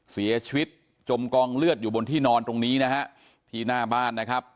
จมกองเลือดอยู่บนที่นอนตรงนี้นะฮะที่หน้าบ้านนะครับ